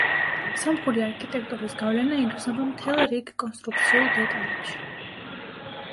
სომხური არქიტექტურის გავლენა იგრძნობა მთელ რიგ კონსტრუქციულ დეტალებში.